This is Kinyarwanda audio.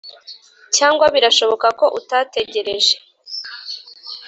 cyangwa birashoboka ko utategereje: